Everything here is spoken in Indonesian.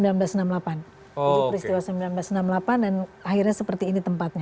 itu peristiwa seribu sembilan ratus enam puluh delapan dan akhirnya seperti ini tempatnya